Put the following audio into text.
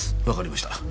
わかりました。